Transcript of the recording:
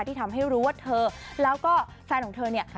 ที่ทำให้รู้ว่าเธอแล้วก็แฟนของเธอเนี่ย